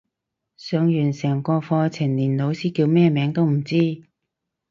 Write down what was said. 上完成個課程連老師叫咩名都唔知